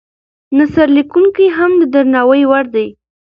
نثر لیکونکي هم د درناوي وړ دي.